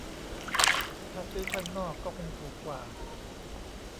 ถ้าซื้อข้างนอกก็คงถูกกว่า